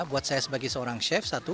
buat saya sebagai seorang chef satu